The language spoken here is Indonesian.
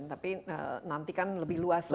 tapi nanti kan lebih luas lagi